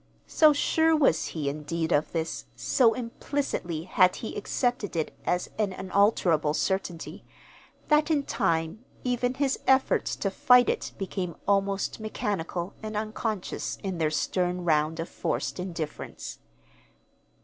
So sure was he, indeed, of this, so implicitly had he accepted it as an unalterable certainty, that in time even his efforts to fight it became almost mechanical and unconscious in their stern round of forced indifference.